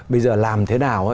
bây giờ làm thế nào